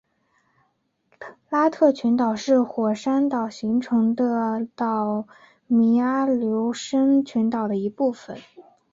拉特群岛是火山岛形成的岛弧阿留申群岛的一部分。